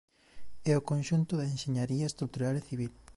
É o conxunto da enxeñaría estrutural e civil.